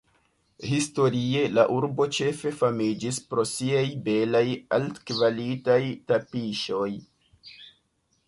Historie, la urbo ĉefe famiĝis pro siaj belaj, altkvalitaj tapiŝoj.